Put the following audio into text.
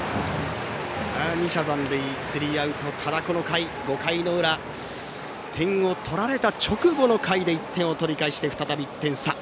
二者残塁、スリーアウトからただこの回、５回の裏点を取られた直後の回で１点を取り返して、再び１点差。